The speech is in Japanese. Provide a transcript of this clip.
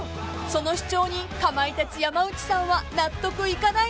［その主張にかまいたち山内さんは納得いかないようで］